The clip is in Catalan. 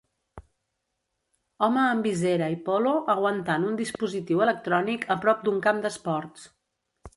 Home amb visera i polo aguantant un dispositiu electrònic a prop d'un camp d'esports